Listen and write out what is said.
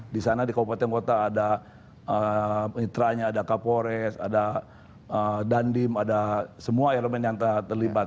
di sana di kabupaten kota ada mitranya ada kapolres ada dandim ada semua elemen yang terlibat